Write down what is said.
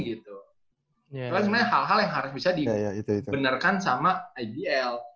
itu sebenarnya hal hal yang harus bisa dibenarkan sama ibl